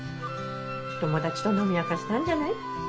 友達と飲み明かしたんじゃない？